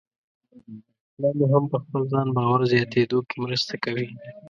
دا مو هم په خپل ځان باور زیاتېدو کې مرسته کوي.